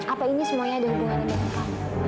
apa ini semuanya ada hubungan dengan kamu